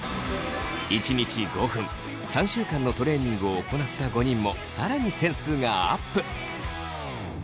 １日５分３週間のトレーニングを行った５人も更に点数がアップ。